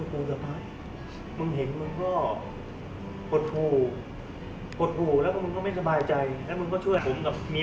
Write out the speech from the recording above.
เพราะว่าถ้าเกิดว่าคุณนอนแล้วคุณคุณคุณนั่นนอนมันจะลงขามันจะบวม